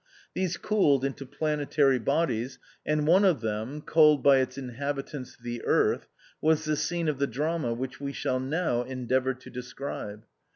These cooled into planetary bodies, and one of them, called by its inhabitants The Earth, was the scene of the drama which we shall now endeavour to describe.